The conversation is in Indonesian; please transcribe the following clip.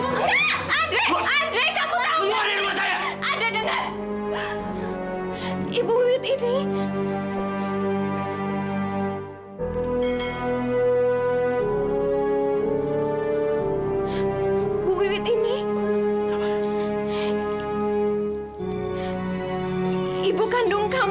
ndre aku mohon buka pintunya